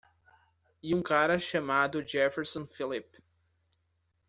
E um cara chamado Jefferson Phillip.